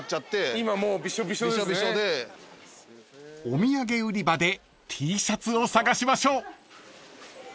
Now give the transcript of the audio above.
［お土産売り場でＴシャツを探しましょう］